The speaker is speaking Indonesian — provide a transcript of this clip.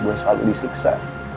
gue selalu disiksa